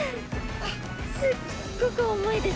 すっごく重いです。